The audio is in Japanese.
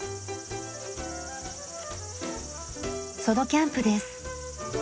ソロキャンプです。